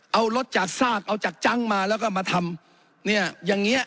เอารถจากซากเอาจากจังมาแล้วก็มาทำเนี่ยอย่างเงี้